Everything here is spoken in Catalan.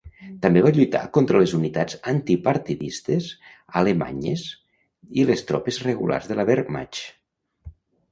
També va lluitar contra les unitats anti-partidistes alemanyes i les tropes regulars de la Wehrmacht.